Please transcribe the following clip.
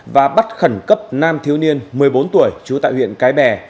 và bắt khẩn cấp nam thiếu niên một mươi bốn tuổi trú tại huyện cái bè